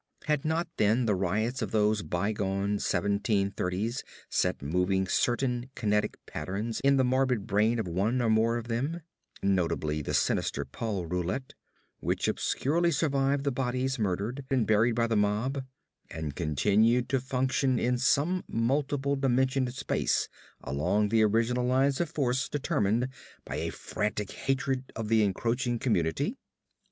Had not, then, the riots of those bygone seventeen thirties set moving certain kinetic patterns in the morbid brain of one or more of them notably the sinister Paul Roulet which obscurely survived the bodies murdered and buried by the mob, and continued to function in some multiple dimensioned space along the original lines of force determined by a frantic hatred of the encroaching community?